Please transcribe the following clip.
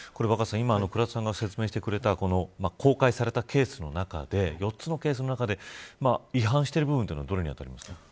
今、倉田さんが説明してくれた公開されたケースの中で違反している部分はどれに当たりますか。